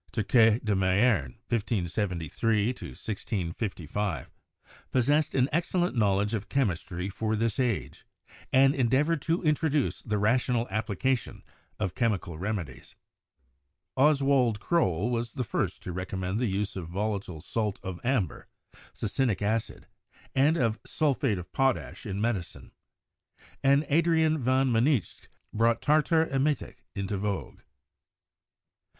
Turquet de Mayerne (1 573 1655) possessed an excellent knowledge of chemistry for this age, and endeavored to introduce the rational application of chemical remedies. Oswald Croll was the first to recommend the use of volatile salt of amber (succinic acid) and of sulphate of potash in medicine; and Adrian van Mynsicht brought tartar emetic into vogue.